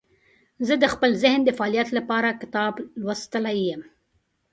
زه د خپل ذهن د فعالیت لپاره کتاب لوستلی یم.